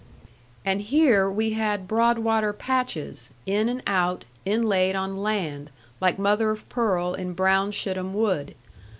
And here we had broad water patches, in and out, inlaid on land, like mother of pearl in brown Shittim wood.